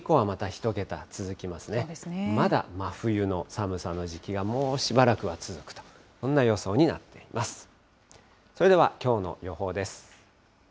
まだ真冬の寒さの時期がもうしばらくは続くと、そんな予想になっています。